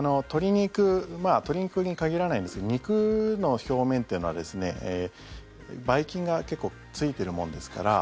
鶏肉に限らないんですが肉の表面というのはばい菌が結構ついてるもんですから。